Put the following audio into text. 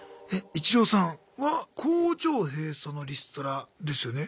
イチローさんは工場閉鎖のリストラですよね？